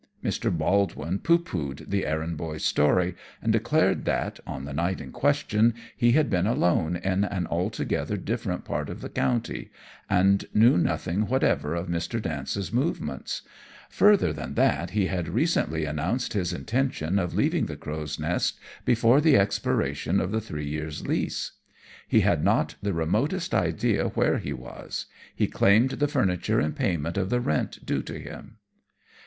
Mr. Baldwin pooh poohed the errand boy's story, and declared that, on the night in question, he had been alone in an altogether different part of the county, and knew nothing whatever of Mr. Dance's movements, further than that he had recently announced his intention of leaving the Crow's Nest before the expiration of the three years' lease. He had not the remotest idea where he was. He claimed the furniture in payment of the rent due to him."